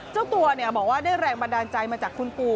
เจ้าตัวบอกว่าได้แรงบันดาลใจมาจากคุณปู่